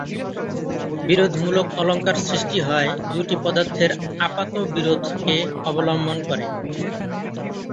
বিরোধমূলক অলঙ্কার সৃষ্টি হয় দুটি পদার্থের আপাত বিরোধকে অবলম্বন করে।